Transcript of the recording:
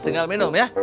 tinggal minum ya